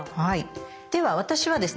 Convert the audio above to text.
では私はですね